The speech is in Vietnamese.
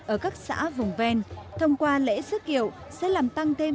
ở các xã vùng ven thông qua lễ sước kiệu sẽ làm tăng thêm